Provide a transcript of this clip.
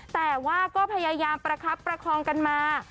แต่ว่าก็พยายามประคับประคองกันมา